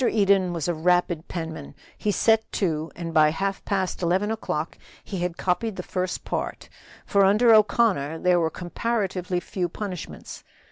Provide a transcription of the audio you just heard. Eden was a rapid penman; he set to, and by half past eleven o'clock he had copied the first part; for under O'Connor there were comparatively few punishments.